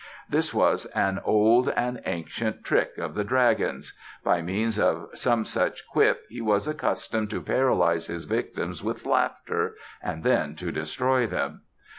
This was an old and ancient trick of the dragon's. By means of some such quip he was accustomed to paralyze his victims with laughter and then to destroy them.